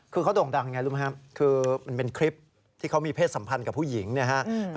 คือเขาโด่งดังอย่างไรรู้ไหมครับคือมันเป็นคลิปที่เขามีเพศสัมพันธ์กับผู้หญิงเนี่ยฮะ